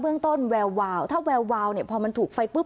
เรื่องต้นแวววาวถ้าแวววาวเนี่ยพอมันถูกไฟปุ๊